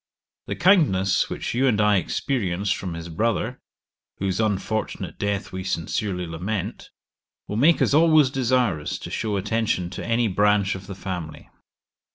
The kindness which you and I experienced from his brother, whose unfortunate death we sincerely lament, will make us always desirous to shew attention to any branch of the family.